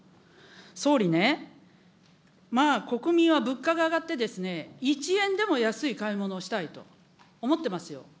総理ね、まあ国民は物価が上がって、一円でも安い買い物をしたいと思ってますよ。